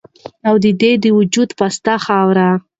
او د دې د وجود پسته خاوره